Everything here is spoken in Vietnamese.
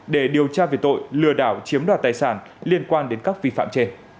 để điều tra về tội lừa đảo chiếm đoạt tài sản liên quan đến các vi phạm trên